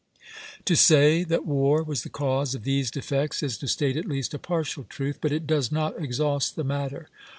To say that war was the cause of these defects is to state at least a partial truth; but it does not exhaust the matter.